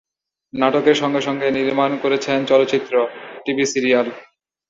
নাটকের সঙ্গে সঙ্গে নির্মাণ করেছেন চলচ্চিত্র, টিভি সিরিয়াল।